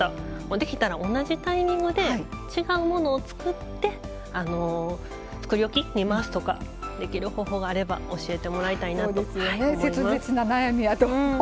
できたら同じタイミングで違うものを作って作り置きに回すとかできる方法があれば教えてもらいたいなと思います。